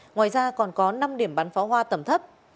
ngoài ra còn có năm điểm bắn pháo hoa tầm thấp